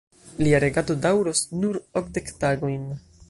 Lia regado daŭros nur okdek tagojn.